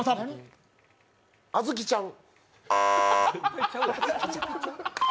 あずきちゃん。